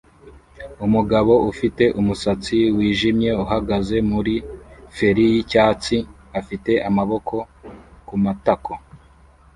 Umugabo ufite umusatsi wijimye uhagaze muri feri yicyatsi afite amaboko kumatako